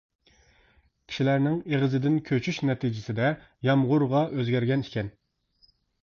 كىشىلەرنىڭ ئېغىزدىن كۆچۈش نەتىجىسىدە يامغۇرغا ئۆزگەرگەن ئىكەن.